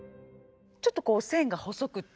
ちょっとこう線が細くて。